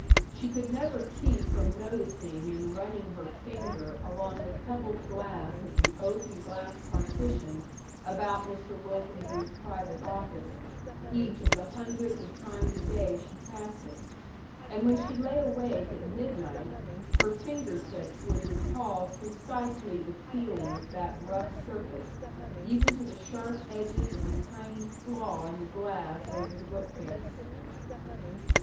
She could never keep from noticing and running her finger along the pebbled glass of the oak and glass partition about Mr. Wilkins's private office, each of the hundreds of times a day she passed it; and when she lay awake at midnight, her finger tips would recall precisely the feeling of that rough surface, even to the sharp edges of a tiny flaw in the glass over the bookcase.